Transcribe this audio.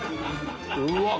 うわっ！